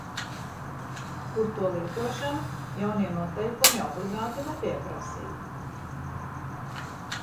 Kur to lietošanu jaunie noteikumi obligāti nepieprasīja.